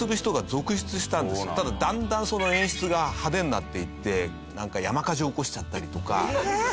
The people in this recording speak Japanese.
ただだんだんその演出が派手になっていってなんか山火事を起こしちゃったりとか。